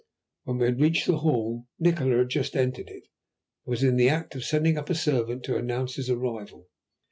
When we had reached the hall, Nikola had just entered it, and was in the act of sending up a servant to announce his arrival.